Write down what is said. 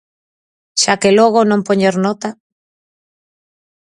Xa que logo, non poñer nota.